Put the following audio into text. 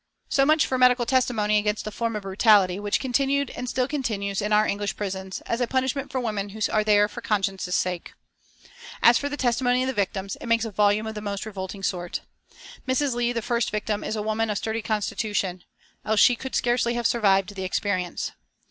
So much for medical testimony against a form of brutality which continued and still continues in our English prisons, as a punishment for women who are there for consciences' sake. As for the testimony of the victims, it makes a volume of most revolting sort. Mrs. Leigh, the first victim, is a woman of sturdy constitution, else she could scarcely have survived the experience.